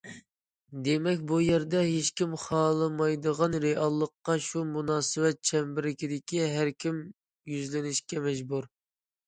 دېمەك، بۇ يەردە ھېچكىم خالىمايدىغان رېئاللىققا شۇ مۇناسىۋەت چەمبىرىكىدىكى ھەر كىم يۈزلىنىشكە مەجبۇر.